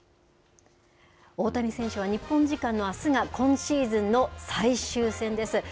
大谷選手は日本時間のあすが、今シーズンの最終戦です。